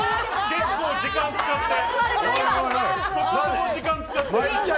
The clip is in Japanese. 結構、時間使って。